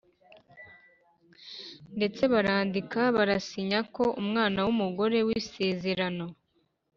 ndetse barandika barasinya ko umwana wumugore wisezerano